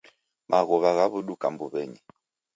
Maghuw'a ghaw'uduka mbuw'enyi.